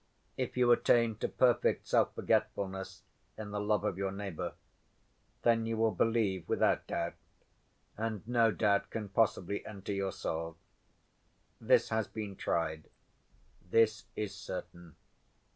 If you attain to perfect self‐forgetfulness in the love of your neighbor, then you will believe without doubt, and no doubt can possibly enter your soul. This has been tried. This is certain."